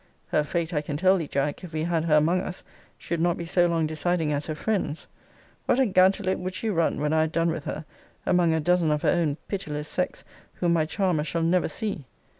Her fate, I can tell thee, Jack, if we had her among us, should not be so long deciding as her friend's. What a gantelope would she run, when I had done with her, among a dozen of her own pitiless sex, whom my charmer shall never see!